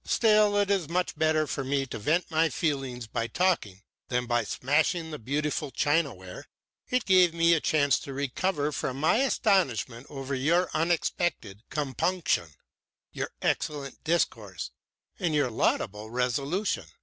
Still, it is much better for me to vent my feelings by talking than by smashing the beautiful chinaware. It gave me a chance to recover from my astonishment over your unexpected compunction, your excellent discourse, and your laudable resolution.